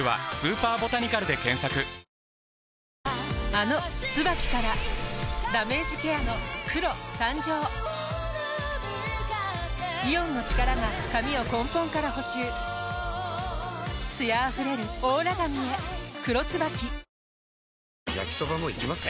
あの「ＴＳＵＢＡＫＩ」からダメージケアの黒誕生イオンの力が髪を根本から補修艶あふれるオーラ髪へ「黒ＴＳＵＢＡＫＩ」焼きソバもいきます？